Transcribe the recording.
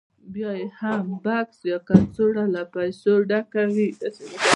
بیا یې هم بکس یا کڅوړه له پیسو ډکه وي